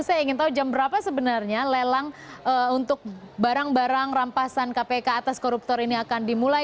saya ingin tahu jam berapa sebenarnya lelang untuk barang barang rampasan kpk atas koruptor ini akan dimulai